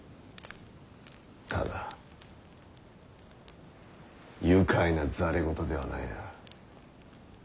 ただ愉快な戯れ言ではないな。